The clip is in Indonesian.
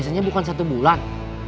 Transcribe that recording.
biasanya bukan satu bulan